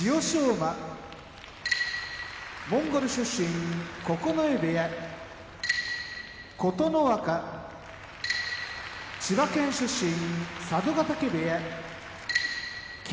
馬モンゴル出身九重部屋琴ノ若千葉県出身佐渡ヶ嶽部屋霧